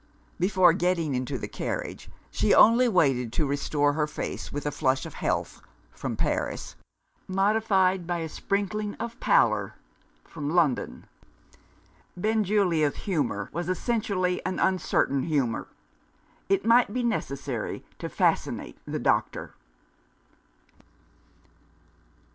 Before getting into the carriage, she only waited to restore her face with a flush of health (from Paris), modified by a sprinkling of pallor (from London). Benjulia's humour was essentially an uncertain humour. It might be necessary to fascinate the doctor.